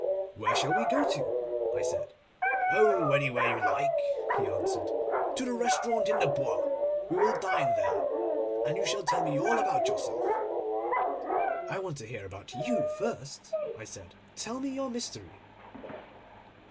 'Where shall we go to?' I said. 'Oh, anywhere you like!' he answered—'to the restaurant in the Bois; we will dine there, and you shall tell me all about yourself.' 'I want to hear about you first,' I said. 'Tell me your mystery.